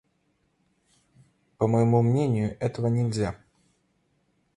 По моему мнению, этого нельзя.